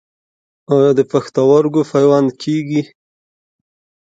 آیا د پښتورګو پیوند کیږي؟